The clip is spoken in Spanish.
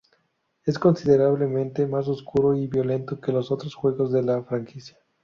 Es considerablemente más oscuro y violento que los otros juegos de la franquicia.